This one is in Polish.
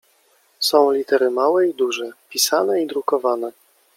Są litery małe i duże, pisane i drukowane.